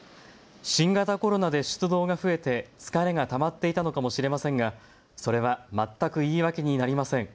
新型コロナで出動が増えて疲れがたまっていたのかもしれませんがそれは全く言い訳になりません。